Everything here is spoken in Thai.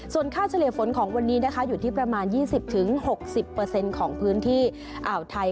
ส่วนค่าเฉลี่ยฝนของวันนี้นะคะอยู่ที่ประมาณ๒๐๖๐ของพื้นที่อ่าวไทย